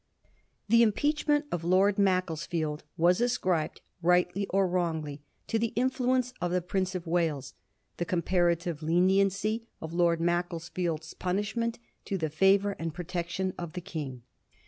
' The impeachment of Lord Macclesfield was ascribed, rightly or wrongly, to the influence of the Prince of Wales ; the comparative leniency of Lord Maccles field's punishment to the favour and protection of the King.